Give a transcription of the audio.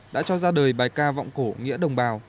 đã cho ra đời bài ca vọng cổ nghĩa đồng bào